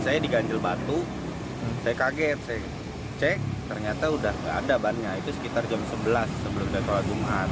saya diganjel batu saya kaget cek ternyata udah ada banyak itu sekitar jam sebelas sebelum jatuh jumat